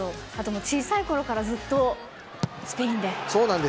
小さいころからずっとスペインで。